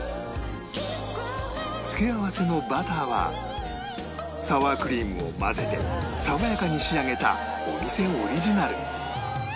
付け合わせのバターはサワークリームを混ぜて爽やかに仕上げたお店オリジナル